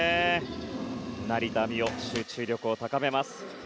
成田実生集中力を高めます。